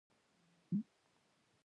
د میرمنو کار د زدکړو دوام تضمینوي.